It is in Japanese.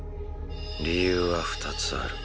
理由は２つある。